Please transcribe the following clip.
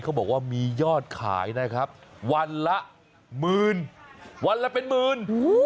เขาบอกว่ามียอดขายนะครับวันละหมื่นวันละเป็นหมื่น